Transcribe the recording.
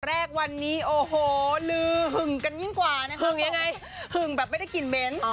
แรกวันนี้โอ้โหลือหึงกันยิ่งกว่านะคะหึงยังไงหึงแบบไม่ได้กลิ่นเหม็น